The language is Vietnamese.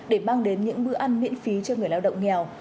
để mang đến những bữa ăn miễn phí cho người lao động nghèo